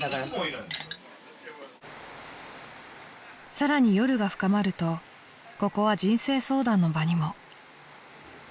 ［さらに夜が深まるとここは人生相談の場にも］